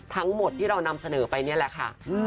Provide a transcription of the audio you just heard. ทั้งหมดที่เรานำเสนอไปนี่แหละค่ะ